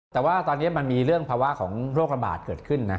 แต่ว่าตอนนี้มันมีเรื่องภาวะของโรคระบาดเกิดขึ้นนะ